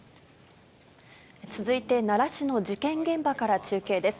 続いて奈良市の事件現場から中継です。